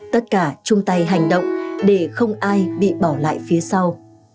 tất cả chung tay hành động để không ai bị bỏ lại phía sau